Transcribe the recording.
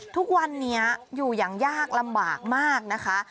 ทุกวันนี้อยู่อย่างยากลำบากมากนะคะ